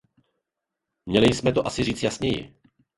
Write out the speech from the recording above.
Měli jsme to asi říci jasněji.